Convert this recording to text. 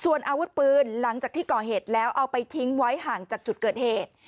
ส่วนอาวุธปืนหลังจากที่ก่อเหตุแล้วเอาไปทิ้งไว้ห่างจากจุดเกิดเหตุ